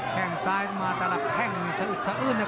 แข่งซ้ายมากับเอ้นดนตราใต้กว่า